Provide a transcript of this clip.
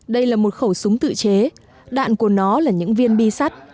đây là một khẩu súng tự chế đạn của nó là những viên bi sắt